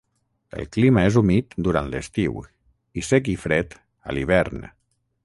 El clima és humit durant l'estiu i sec i fred a l'hivern.